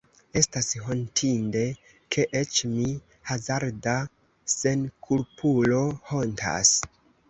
Estas hontinde, ke eĉ mi, hazarda senkulpulo, hontas.